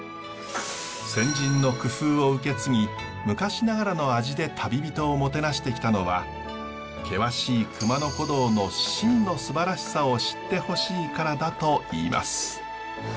先人の工夫を受け継ぎ昔ながらの味で旅人をもてなしてきたのは険しい熊野古道の真のすばらしさを知ってほしいからだといいます。